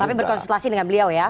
tapi berkonsultasi dengan beliau ya